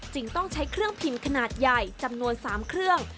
ต้องใช้เครื่องพิมพ์ขนาดใหญ่จำนวน๓เครื่อง